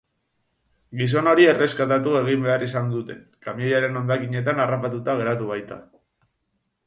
Gizon hori erreskatatu egin behar izan dute, kamioiaren hondakinetan harrapatuta geratu baita.